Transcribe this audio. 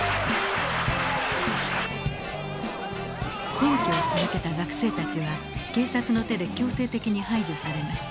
占拠を続けた学生たちは警察の手で強制的に排除されました。